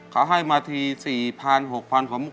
เขาให้มาที๔๐๐๐๖๐๐๐ของมุม